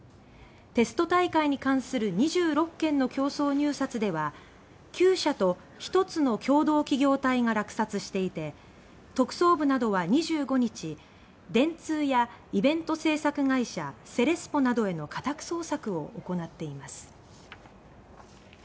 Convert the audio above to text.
テスト大会に関する２６件の競争入札では９社と１つの共同企業体が落札していて特捜部などは２５日、電通やイベント制作会社セレスポなどへの家宅捜索を行っています。